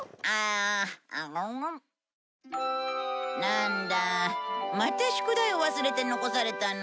なんだまた宿題を忘れて残されたの？